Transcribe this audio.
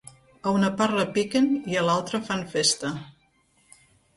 A una part repiquen i a l'altra fan festa.